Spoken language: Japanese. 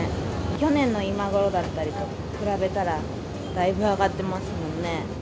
去年の今頃だったりと比べたら、だいぶ上がってますもんね。